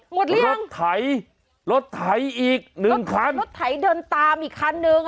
หมดเลยรถไถรถไถอีกหนึ่งคันรถไถเดินตามอีกคันนึง